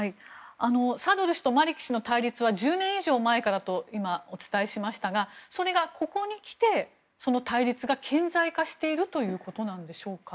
サドル師とマリキ氏の対立は１０年以上前からだとお伝えしましたがそれがここにきて対立が顕在化しているということなんでしょうか。